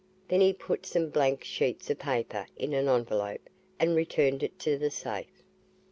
Then he put some blank sheets of paper in an envelope and returned it to the safe.